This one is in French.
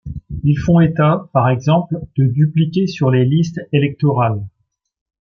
Ils font état, par exemple, de dupliqués sur les listes électorales.